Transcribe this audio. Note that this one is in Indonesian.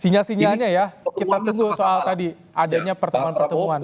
sinyal sinyalnya ya kita tunggu soal tadi adanya pertemuan pertemuan